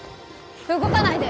動かないで！